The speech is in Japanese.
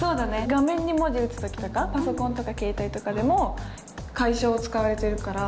画面に文字打つ時とかパソコンとか携帯とかでも楷書が使われてるから。